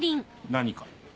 何か？